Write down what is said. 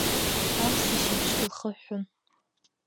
Амза шьыбжь лхыҳәҳәон…